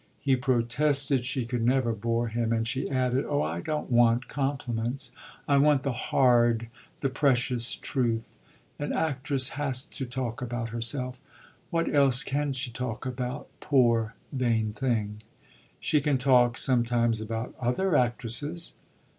He protested she could never bore him and she added: "Oh I don't want compliments I want the hard, the precious truth. An actress has to talk about herself. What else can she talk about, poor vain thing?" "She can talk sometimes about other actresses."